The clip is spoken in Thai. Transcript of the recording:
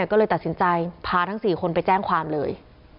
ก็เลยตัดสินใจพาทั้ง๔คนไปแจ้งความเลย